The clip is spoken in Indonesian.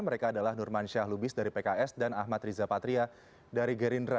mereka adalah nurman syah lubis dari pks dan ahmad riza patria dari gerindra